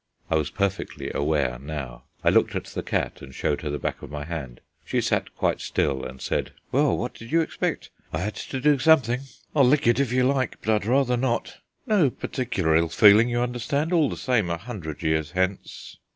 I was perfectly awake now. I looked at the cat, and showed her the back of my hand. She sat quite still and said: "Well, what did you expect? I had to do something. I'll lick it if you like, but I'd rather not. No particular ill feeling, you understand; all the same a hundred years hence."